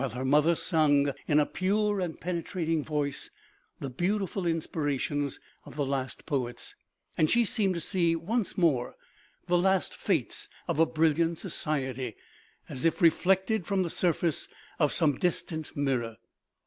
her mother sung in a pure and penetrating voice the beautiful inspirations of the last poets ; and she seemed to see, once more, the last fetes of a brilliant society, as if reflected from the surface of some distant mir ror.